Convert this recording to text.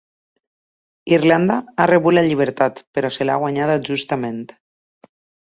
Irlanda ha rebut la llibertat, però se l'ha guanyada justament.